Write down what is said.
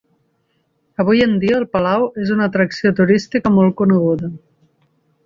Avui en dia, el palau és una atracció turística molt coneguda.